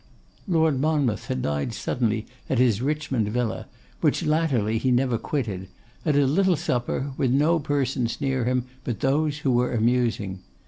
Lord Monmouth had died suddenly at his Richmond villa, which latterly he never quitted, at a little supper, with no persons near him but those who were amusing.